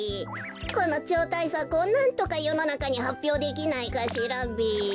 このちょうたいさくをなんとかよのなかにはっぴょうできないかしらべ。